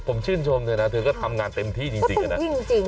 ผมชื่นชมเธอนะเธอก็ทำงานเต็มที่จริงอะนะจริง